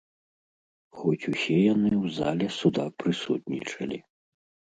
Хоць усе яны ў зале суда прысутнічалі.